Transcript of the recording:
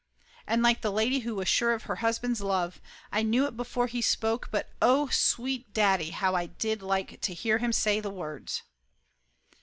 And like the lady who was sure of her husband's love, I knew it before he spoke, but oh, sweet daddy, how I did like to hear him say the words!